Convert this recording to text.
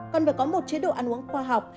cần phải có một chế độ ăn uống khoa học